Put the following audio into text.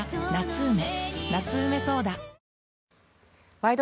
「ワイド！